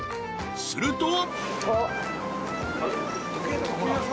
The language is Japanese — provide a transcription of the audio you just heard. すると］